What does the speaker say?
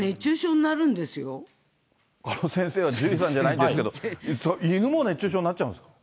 鹿野先生は獣医さんじゃないんですけど、犬も熱中症になっちゃうんですか？